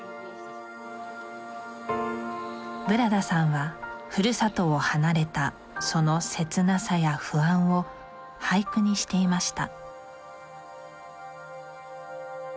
ブラダさんはふるさとを離れたその切なさや不安を俳句にしていました